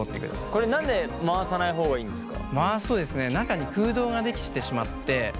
これ何で回さない方がいいんですか？